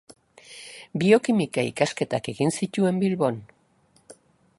Biokimika ikasketak egin zituen Bilbon.